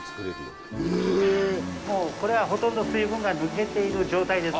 これは、ほとんど水分が抜けている状態です。